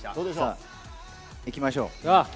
行きましょう。